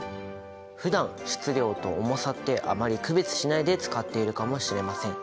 ふだん質量と重さってあまり区別しないで使っているかもしれません。